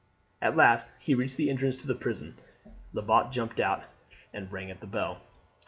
At last he reached the entrance to the prison. Lebat jumped out and rang at the bell.